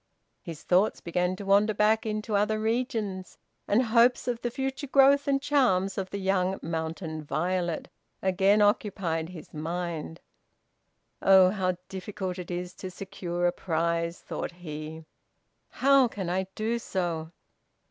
His thoughts began to wander back into other regions, and hopes of the future growth and charms of the young mountain violet again occupied his mind. "Oh! how difficult it is to secure a prize," thought he. "How can I do so?